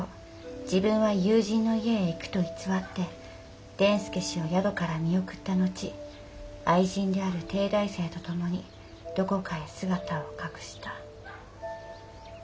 自分は友人の家へ行くと偽って伝助氏を宿から見送った後愛人である帝大生と共にどこかへ姿を隠した」。